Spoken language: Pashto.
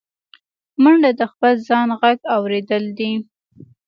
منډه د خپل ځان غږ اورېدل دي